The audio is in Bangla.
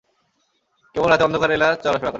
কেবল রাতে অন্ধকারে এরা চলাফেরা করে।